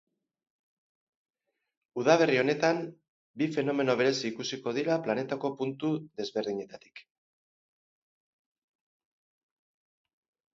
Udaberri honetan bi fenomeno berezi ikusiko dira planetako puntu desberdinetatik.